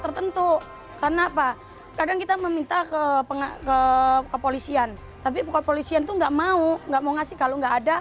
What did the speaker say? tertentu karena apa kadang kita meminta ke ke ke polisian tapi polisian tuh nggak mau nggak mau